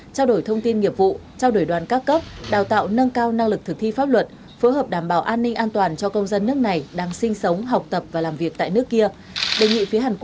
trao đổi thông tin nghiệp vụ trao đổi đoàn các cấp đào tạo nâng cao năng lực thực thi pháp luật phối hợp đảm bảo an ninh an toàn cho công dân nước này đang sinh sống học tập và làm việc tại nước kia